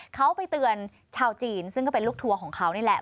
เขาไปเตือนชาวจีนซึ่งก็เป็นลูกทัวร์ของเขานี่แหละ